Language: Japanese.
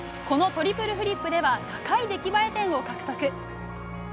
このトリプルフリップでは高い出来栄え点を獲得。